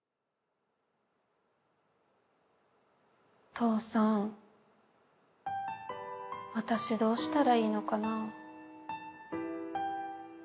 父さん私どうしたらいいのかな。